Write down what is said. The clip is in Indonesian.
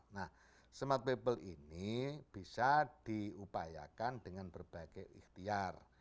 nah smart people ini bisa diupayakan dengan berbagai ikhtiar